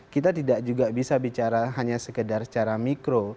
kita tidak juga bisa bicara hanya sekedar secara mikro